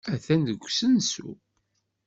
Attan deg usensu.